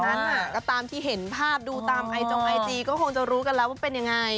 นั้นก็ตามที่เห็นภาพดูตามไอจงไอจีก็คงจะรู้กันแล้วว่าเป็นยังไง